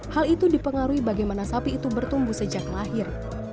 hal itu dipengaruhi bagaimana sapi itu bertumbuh sejak lahir